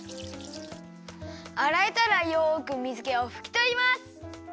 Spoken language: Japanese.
あらえたらよくみずけをふきとります。